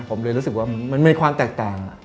ผมเลยรู้สึกว่ามันมีความแตกต่าง